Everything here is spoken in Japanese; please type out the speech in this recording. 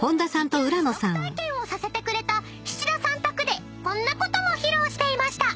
［自給自足体験をさせてくれた七田さん宅でこんなことも披露していました］